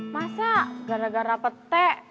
masa gara gara petek